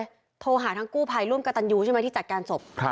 เธอโทรหาทั้งกู่พรายร่วมกระตัญิวที่จัดการสมภาพ